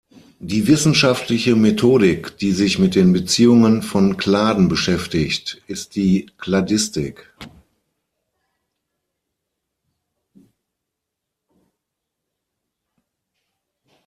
Die wissenschaftliche Methodik, die sich mit den Beziehungen von Kladen beschäftigt, ist die Kladistik.